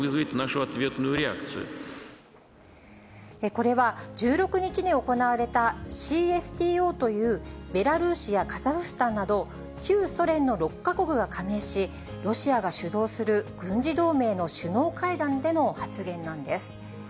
これは１６日に行われた、ＣＳＴＯという、ベラルーシやカザフスタンなど、旧ソ連の６か国が加盟し、ロシアが主導する軍事同盟の首脳会談での発言なんです。